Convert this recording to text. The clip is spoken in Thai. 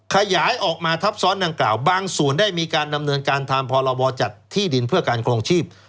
ขยายออกมาทับซ้อนดังกล่าวบางส่วนได้มีการดำเนินการตามพรบจัดที่ดินเพื่อการครองชีพ